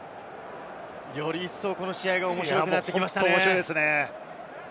より一層この試合が面白くなってきましたね。